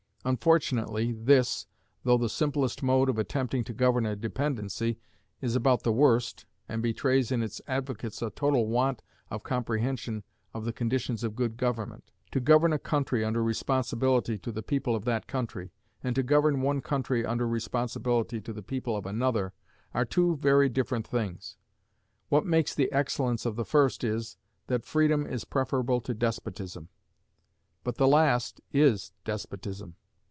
Unfortunately this, though the simplest mode of attempting to govern a dependency, is about the worst, and betrays in its advocates a total want of comprehension of the conditions of good government. To govern a country under responsibility to the people of that country, and to govern one country under responsibility to the people of another, are two very different things. What makes the excellence of the first is, that freedom is preferable to despotism: but the last is despotism.